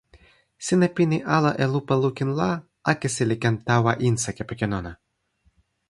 sina pini ala e lupa lukin la akesi li ken tawa insa kepeken ona.